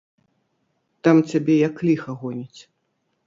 Там цябе як ліха гоніць!